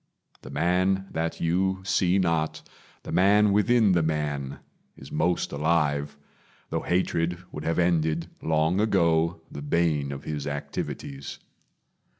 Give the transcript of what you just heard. The man that you see not The man within the man is most alive; Though hatred would have ended, long ago, The bane of his activities.